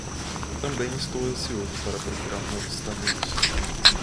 Também estou ansioso para procurar novos talentos.